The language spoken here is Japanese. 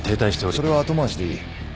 それは後回しでいい。